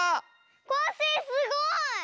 コッシーすごい！